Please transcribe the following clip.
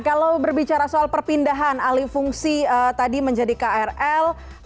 kalau berbicara soal perpindahan alifungsi tadi menjadi krl